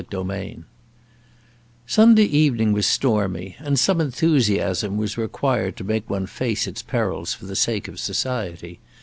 Chapter IV SUNDAY evening was stormy, and some enthusiasm was required to make one face its perils for the sake of society.